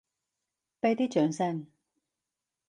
畀啲掌聲！